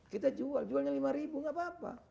kita jual jualnya lima ribu nggak apa apa